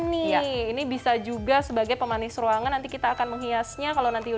nih ini bisa juga sebagai pemanis ruangan nanti kita akan menghiasnya kalau nanti